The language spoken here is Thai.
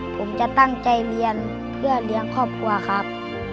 ผมจะตั้งใจเรียนเพื่อเลี้ยงครอบครัวครับ